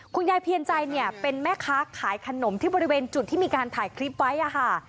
คุณยายเพียรใจเนี่ยเป็นแม่ค้าขายขนมที่บริเวณจุดที่มีการถ่ายคลิปไว้อะค่ะ